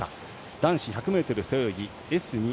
男子１００ｍ背泳ぎＳ２。